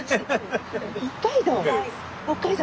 北海道。